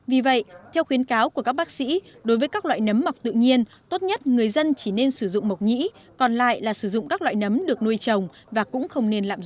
vì vậy theo khuyến cáo của các bác sĩ đối với các loại nấm mọc tự nhiên tốt nhất người dân chỉ nên sử dụng mọc nhĩ còn lại là sử dụng các loại nấm được nuôi trồng và cũng không nên lạm dụng